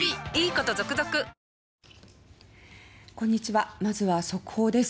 こんにちは、まずは速報です。